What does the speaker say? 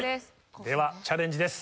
ではチャレンジです。